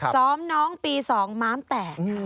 ซ้อมน้องปี๒ม้ามแตก